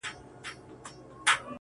دا لکه ماسوم ته چي پېښې کوې